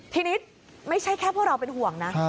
ทีนี้ไม่ใช่แค่พวกเราเป็นห่วงนะ